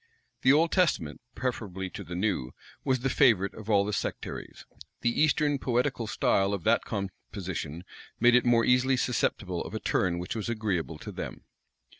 The Old Testament, preferably to the New, was the favorite of all the sectaries. The Eastern poetical style of that composition made it more easily susceptible of a turn which was agreeable to them.